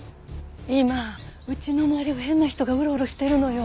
今家の周りを変な人がうろうろしてるのよ。